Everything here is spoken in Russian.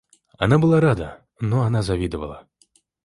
Она была рада, но она завидовала.